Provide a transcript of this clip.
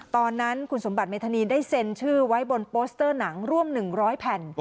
ตอนนั้นคุณสมบัติเมธานีได้เซ็นชื่อไว้บนโปสเตอร์หนังร่วม๑๐๐แผ่น